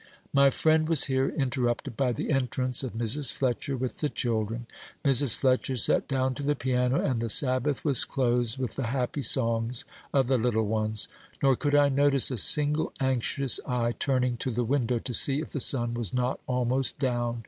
My friend was here interrupted by the entrance of Mrs. Fletcher with the children. Mrs. Fletcher sat down to the piano, and the Sabbath was closed with the happy songs of the little ones; nor could I notice a single anxious eye turning to the window to see if the sun was not almost down.